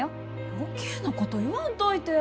余計なこと言わんといて！